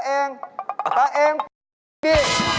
ก็ตาเองตาเองแบตดิ